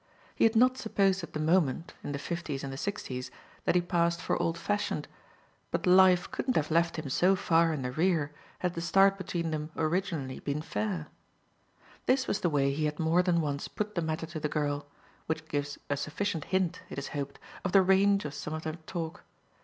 He had not supposed at the moment in the fifties and the sixties that he passed for old fashioned, but life couldn't have left him so far in the rear had the start between them originally been fair. This was the way he had more than once put the matter to the girl; which gives a sufficient hint, it is hoped, of the range of some of their talk.